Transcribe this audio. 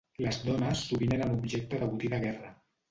Les dones sovint eren objecte de botí de guerra.